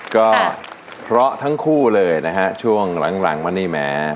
ก็เพราะทั้งคู่เลยนะฮะช่วงหลังมานี่แหม